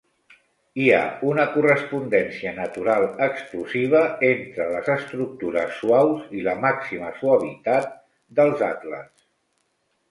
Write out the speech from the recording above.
Hi ha una correspondència natural exclusiva entre les estructures suaus i la màxima suavitat dels atles.